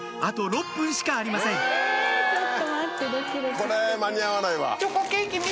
これ間に合わないわ。